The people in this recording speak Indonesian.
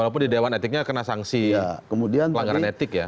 walaupun di dewan etiknya kena sanksi pelanggaran etik ya